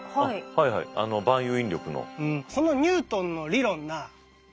はいはいあの万有引力の。